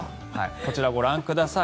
こちら、ご覧ください。